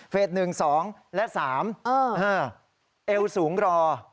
๑๒และ๓เอวสูงรอ